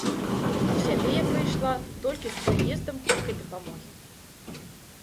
У сябе я прыйшла толькі з прыездам хуткай дапамогі.